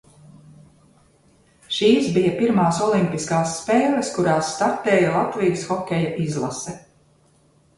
Šīs bija pirmās olimpiskās spēles, kurās startēja Latvijas hokeja izlase.